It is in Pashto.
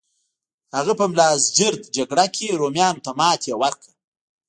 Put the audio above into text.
هغه په ملازجرد جګړه کې رومیانو ته ماتې ورکړه.